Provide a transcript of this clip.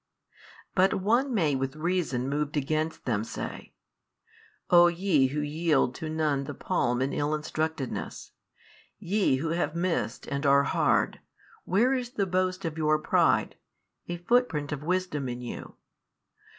But one may with reason moved against them say, O ye who yield to none the palm in ill instructedness, ye who have missed and are hard, where is the boast of your pride, a footprint of wisdom in you?